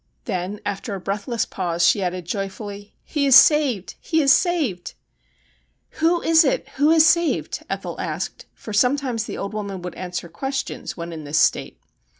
Then, after a breathless pause, she added joyfully :' He is saved ! he is saved !'' Who is it ? Who is saved ?' Ethel asked, for some times the old woman would answer questions when in this state.